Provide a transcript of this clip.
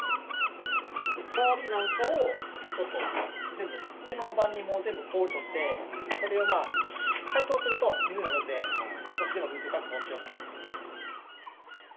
氷なんかを、全部、きのうの晩にもう、全部氷取って、それを解凍すると水になるので、少しでも水確保しようかなと。